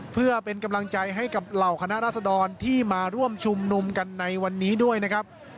เพื่อเป็นกำลังใจให้กับเหล่าคณะราษดรที่มาร่วมชุมนุมกันในวันนี้ด้วยนะครับ